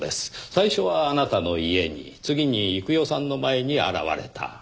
最初はあなたの家に次に幾代さんの前に現れた。